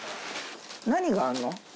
何があるの？